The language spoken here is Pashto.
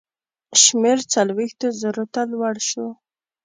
شمېر څلوېښتو زرو ته لوړ شو.